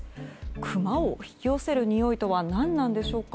クマを引き寄せるにおいとは何なんでしょうか。